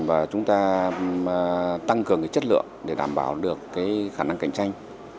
và chúng ta tăng cường chất lượng để đảm bảo được cái khả năng cạnh tranh